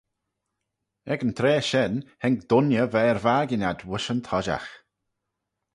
Ec yn traa shen haink dooinney va er vakin ad voish yn toshiaght.